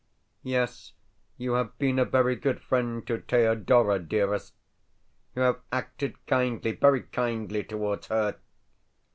Yes, you have been a very good friend to Thedora, dearest. You have acted kindly, very kindly, towards her.